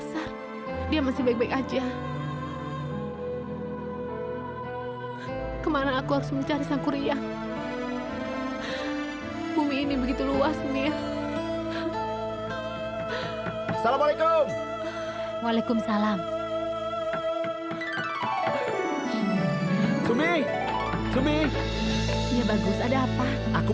sudah berapa lama kamu gak ketemu orang tua kamu